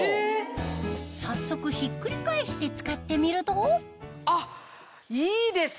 早速ひっくり返して使ってみるとあっいいですね！